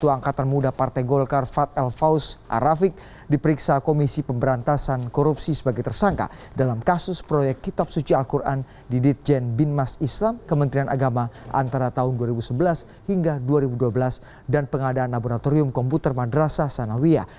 satu angkatan muda partai golkar fad el faus arafik diperiksa komisi pemberantasan korupsi sebagai tersangka dalam kasus proyek kitab suci al quran di ditjen bin mas islam kementerian agama antara tahun dua ribu sebelas hingga dua ribu dua belas dan pengadaan laboratorium komputer madrasah sanawiyah